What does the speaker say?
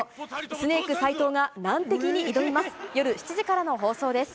スネーク斉藤が、難敵に挑みます。